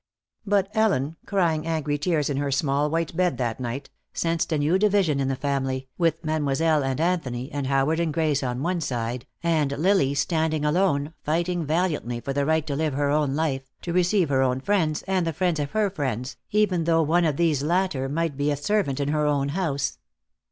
But Ellen, crying angry tears in her small white bed that night, sensed a new division in the family, with Mademoiselle and Anthony and Howard and Grace on one side, and Lily standing alone, fighting valiantly for the right to live her own life, to receive her own friends, and the friends of her friends, even though one of these latter might be a servant in her own house.